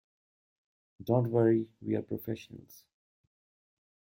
Don't worry, we're professionals.